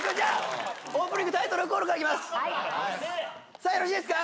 さあよろしいですか？